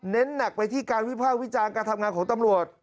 หนักไปที่การวิภาควิจารณ์การทำงานของตำรวจ